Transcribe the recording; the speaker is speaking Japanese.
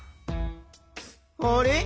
あれ？